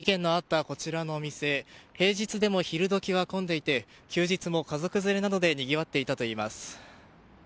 事件のあったこちらのお店平日でも昼時は混んでいて休日も家族連れなどでにぎわっていたといいます。